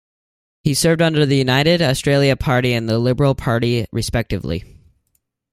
He served under the United Australia Party and the Liberal Party respectively.